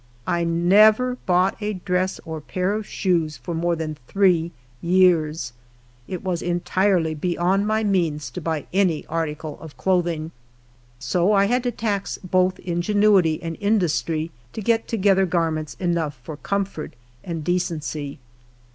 I never bought a dress or pair of shoes for moie than three years ; it was entirely beyond my means to buy any article of clothing. So I had to tax both inge nuity and industry to get together garments enough tor comfort and decency.